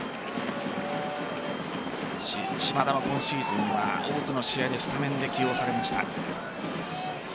島田も今シーズンは多くの試合でスタメンで起用されました。